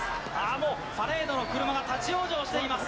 もう、パレードの車が立往生しています。